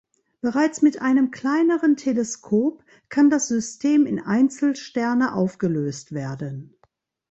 Bereits mit einem kleineren Teleskop kann das System in Einzelsterne aufgelöst werden.